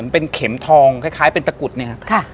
เป็นเข็มทองคล้ายเป็นตะกรุดเนี่ยครับ